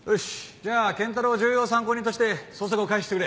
じゃあ賢太郎を重要参考人として捜索を開始してくれ。